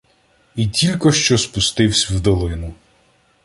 І тілько що спустивсь в долину.